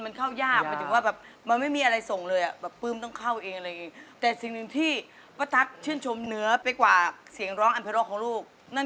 เป็นทัวร์ที่แบบมีเสียงหัวเราะเรียกเสียงหัวเราะได้เป็นระยะ